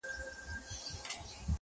بازاري ویل قصاب دی زموږ په ښار کي؛